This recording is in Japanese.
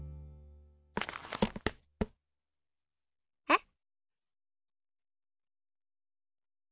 えっ？